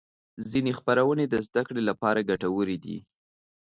ځینې خپرونې د زدهکړې لپاره ګټورې دي.